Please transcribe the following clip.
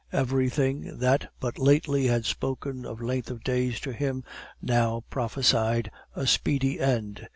Everything that but lately had spoken of length of days to him, now prophesied a speedy end.